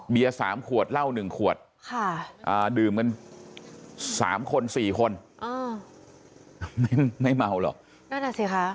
เบีย๓ขวดเหล้า๑ขวดดื่มกัน๓คน๔คนไม่เมาหรอก